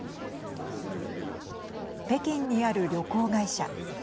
北京にある旅行会社。